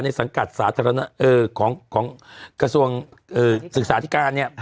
สังกัดสาธารณะของกระทรวงศึกษาธิการเนี่ย